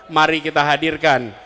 mari kita hadirkan